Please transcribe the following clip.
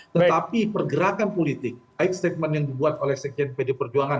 tetapi pergerakan politik baik statement yang dibuat oleh sekjen pd perjuangan